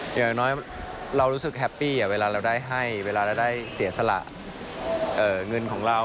อย่างน้อยเรารู้สึกแฮปปี้เวลาเราได้ให้เวลาเราได้เสียสละเงินของเรา